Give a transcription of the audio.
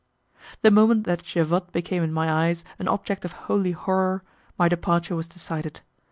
The moment that Javotte became in my eyes an object of holy horror, my departure was decided.